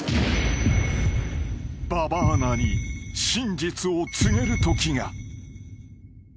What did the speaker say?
［馬場アナに真実を告げるときが］